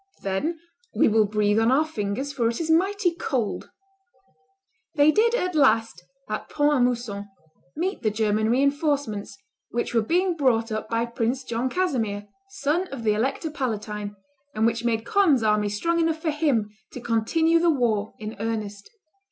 "Then we will breathe on our fingers, for it is mighty cold." They did at last, at Pont a Mousson, meet the German re enforcements, which were being brought up by Prince John Casimir, son of the elector palatine, and which made Conde's army strong enough for him to continue the war in earnest.